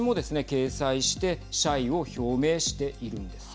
掲載して謝意を表明しているんです。